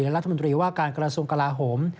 รัฐมนตรีว่าการกระทรวงกลาโหม